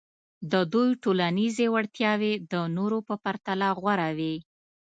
د دوی ټولنیزې وړتیاوې د نورو په پرتله غوره وې.